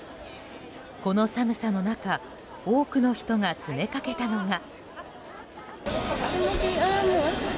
この寒さの中多くの人が詰めかけたのが。